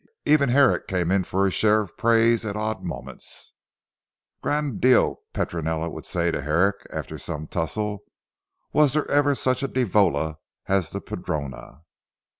Even Herrick came in for his share of praise at odd moments. "Gran' Dio!" Petronella would say to Herrick after some tussel, "was there ever such a diavola as the Padrona?"